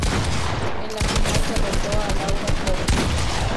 En la final derrotó a Laura Pous.